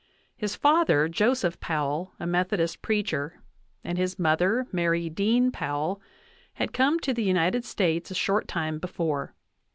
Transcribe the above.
His father, Joseph Powell, a Methodist preacher, and his mother, Mary Dean Powell, had come to the United States a short time before.